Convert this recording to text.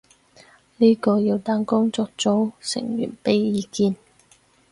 呢個要等工作組成員畀意見